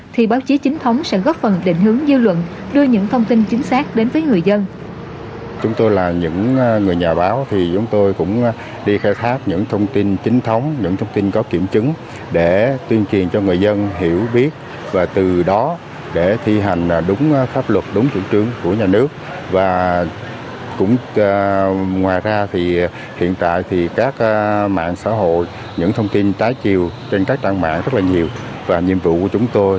thì báo chí chính thống sẽ góp phần định hướng dư luận đưa những thông tin chính xác đến với người dân